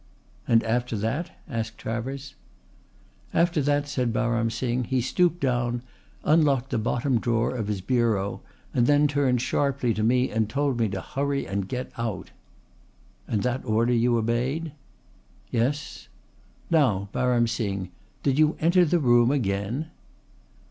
"And after that?" asked Travers. "After that," said Baram Singh, "he stooped down, unlocked the bottom drawer of his bureau and then turned sharply to me and told me to hurry and get out." "And that order you obeyed?" "Yes." "Now, Baram Singh, did you enter the room again?"